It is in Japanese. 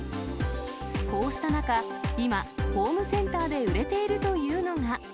こうした中、今、ホームセンターで売れているというのが。